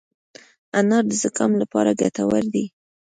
انار د زکام لپاره ګټور دی.